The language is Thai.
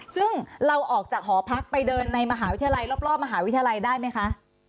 ซึ่งเราออกจากหอพักไปเดินในมหาวิทยาลัยรอบมหาวิทยาลัยได้ไหมคะ